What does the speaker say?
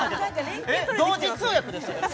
同時通訳でしたよ